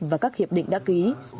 và các hiệp định đã ký